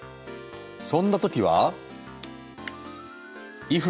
そんな時はＩｆ。